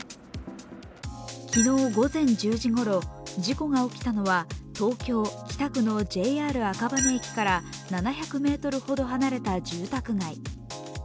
昨日午前１０時ごろ、事故が起きたのは東京・北区のＪＲ赤羽駅から７００ｍほど離れた住宅街。